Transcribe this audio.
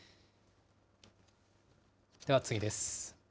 では次です。